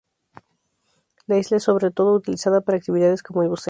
La isla es sobre todo utilizada para actividades como el buceo.